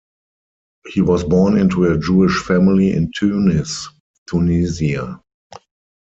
He was born into a Jewish family in Tunis, Tunisia.